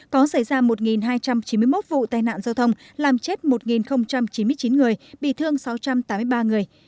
có xảy ra một hai trăm chín mươi một vụ tai nạn giao thông làm chết một chín mươi chín người bị thương sáu trăm tám mươi ba người